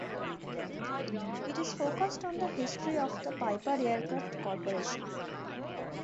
It is focused on the history of the Piper Aircraft Corporation.